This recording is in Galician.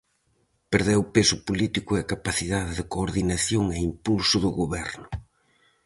Perdeu peso político e capacidade de coordinación e impulso do goberno.